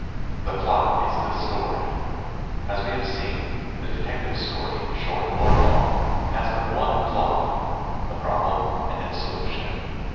The Plot is the Story As we have seen, the detective story, short or long, has but one plot — the problem and its solution.